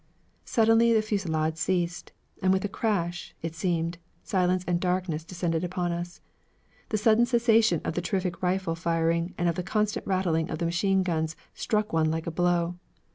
Suddenly the fusillade ceased, and with a crash, it seemed, silence and darkness descended upon us. The sudden cessation of the terrific rifle firing and of the constant rattling of the machine guns struck one like a blow.